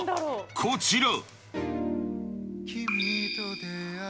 こちら。